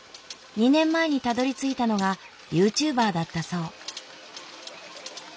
２年前にたどりついたのがユーチューバーだったそう。